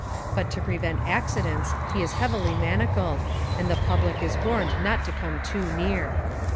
But to prevent accidents he is heavily manacled, and the public is warned not to come too near.